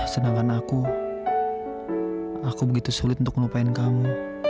sedangkan aku aku begitu sulit untuk melupain kamu